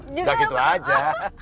enggak gitu aja